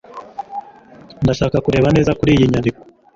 ndashaka kureba neza kuriyi nyandiko